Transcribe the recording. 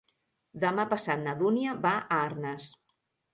Demà passat na Dúnia va a Arnes.